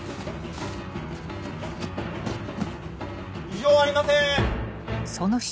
異常ありません！